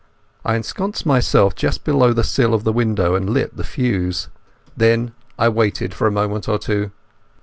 I ensconced myself just below the sill of the window, and lit the fuse. Then I waited for a moment or two.